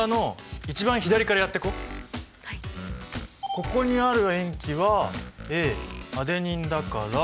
ここにある塩基はＡアデニンだから。